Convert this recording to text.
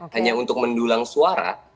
hanya untuk mendulang suara